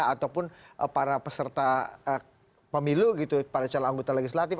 ataupun para peserta pemilu gitu para calon anggota legislatif